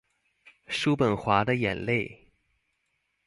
叔本華的眼淚